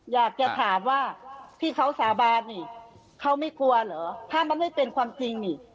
อยากจะถามว่าที่เขาสาบานนี่เขาไม่กลัวเหรอถ้ามันไม่เป็นความจริงนี่